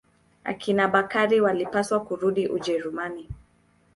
Akina Bakari walipaswa kurudi Ujerumani.